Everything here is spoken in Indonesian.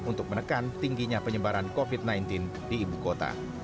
untuk menekan tingginya penyebaran covid sembilan belas di ibu kota